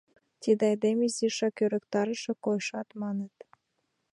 Тиде айдеме изишак ӧрыктарыше койышан маныт.